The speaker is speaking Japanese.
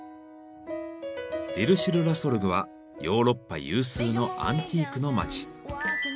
リル・シュル・ラ・ソルグはヨーロッパ有数のアンティークの街。